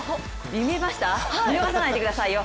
見逃さないでくださいよ。